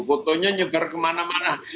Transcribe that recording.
fotonya nyegar kemana mana